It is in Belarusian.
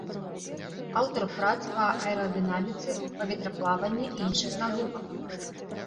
Аўтар прац па аэрадынаміцы, паветраплаванні і іншых навуках.